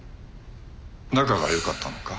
仲が良かったのか？